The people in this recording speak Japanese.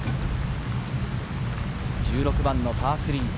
１６番のパー３。